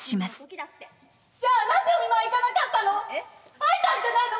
会えたんじゃないの？